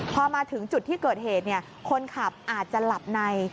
พอมาถึงจุดที่เกิดเหตุคนขับอาจจะหลับใน